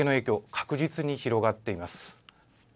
確実に広がっています。